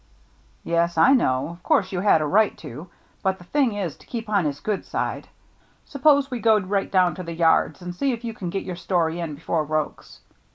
" Yes, I know — of course you had a right to ; but the thing is to keep on his good side. Suppose we go right down to the yards, and see if you can get your story in before Roche's."